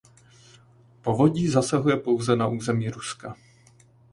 Povodí zasahuje pouze na území Ruska.